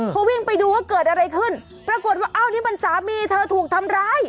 พอวิ่งไปดูว่าเกิดอะไรขึ้นปรากฏว่าอ้าวนี่มันสามีเธอถูกทำร้าย